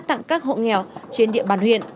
tặng các hộ nghèo trên địa bàn huyện